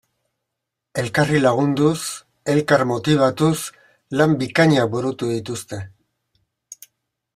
Elkarri lagunduz, elkar motibatuz, lan bikainak burutu dituzte.